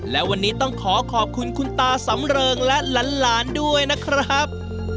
และวันนี้ต้องขอขอบคุณคุณตาสำเริงและหลานด้วยนะครับ